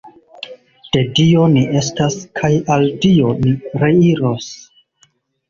De Dio ni estas, kaj al Dio ni reiros.